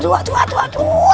aduh aduh aduh aduh